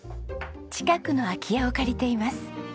近くの空き家を借りています。